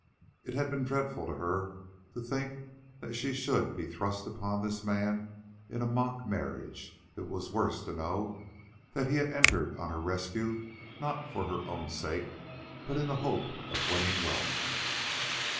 It had been dreadful to her to think that she should be thrust upon this man in a mock marriage; it was worse to know that he had entered on her rescue not for her own sake, but in the hope of winning wealth.